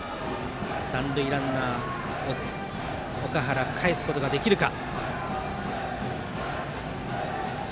三塁ランナー、岳原かえすことができるか。